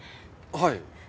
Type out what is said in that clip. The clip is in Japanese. はい。